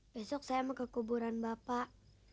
besok saya mau kekuburan bapak